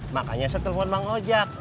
makanya saya telfon bang ojak